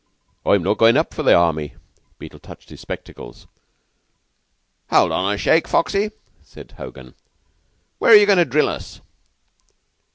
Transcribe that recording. "I'm not goin' up for the Army." Beetle touched his spectacles. "Hold on a shake, Foxy," said Hogan. "Where are you goin' to drill us?"